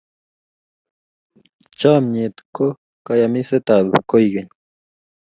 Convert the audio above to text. Chomnyet ko kayamisetab koikeny.